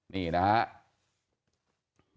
นี่นะครับ